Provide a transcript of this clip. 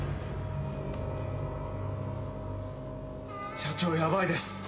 社長ヤバイです。